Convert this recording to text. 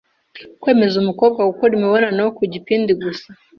kwemeza umukobwa gukora imibonano kugipindi gusa